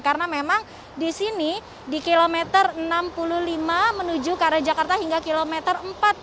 karena memang di sini di kilometer enam puluh lima menuju ke arah jakarta hingga kilometer empat puluh tujuh